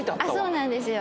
そうなんですよ。